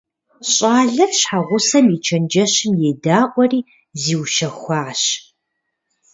ЩӀалэр щхьэгъусэм и чэнджэщым едаӀуэри зиущэхуащ.